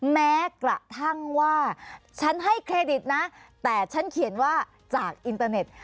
แม้กระทั่งว่าฉันให้เครดิตนะแต่ฉันเขียนว่าจากอินเตอร์เน็ต